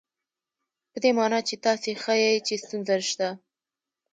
په دې مانا چې تاسې ښيئ چې ستونزه شته.